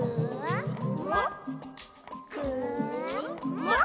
「もっ？